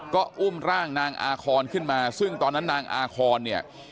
ก็อุ้มร่างนางอาคอนขึ้นมาซึ่งตอนนั้นนางอาคอนเนี่ย